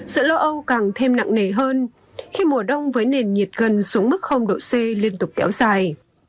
sự lo âu càng thêm nặng nề hơn khi mùa đông với nền nhiệt gần xuống mức độ c liên tục kéo dài